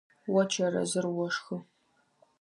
О чэрэзыр ошхы.